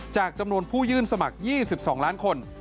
จำนวนผู้ยื่นสมัคร๒๒ล้านคน